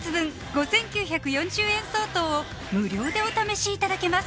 ５９４０円相当を無料でお試しいただけます